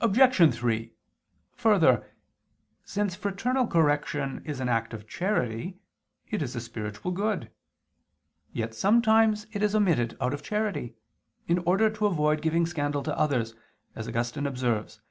Obj. 3: Further, since fraternal correction is an act of charity, it is a spiritual good. Yet sometimes it is omitted out of charity, in order to avoid giving scandal to others, as Augustine observes (De Civ.